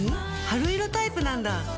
春色タイプなんだ。